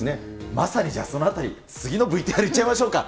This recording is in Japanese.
まさにじゃあ、そのあたり、次のＶＴＲいっちゃいましょうか。